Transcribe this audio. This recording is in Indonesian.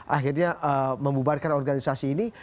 akhirnya membubarkan organisasi ini